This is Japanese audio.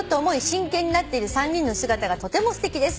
真剣になっている３人の姿がとてもすてきです」